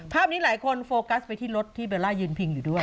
นี้หลายคนโฟกัสไปที่รถที่เบลล่ายืนพิงอยู่ด้วย